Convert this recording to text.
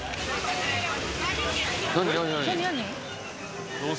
何何何？